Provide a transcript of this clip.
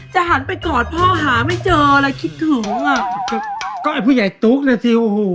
หันไปกอดพ่อหาไม่เจออะไรคิดถึงอ่ะก็ไอ้ผู้ใหญ่ตุ๊กน่ะสิโอ้โห